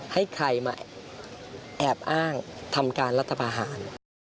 ให้ใครมาแอบอ้างทำการรัฐพาหาร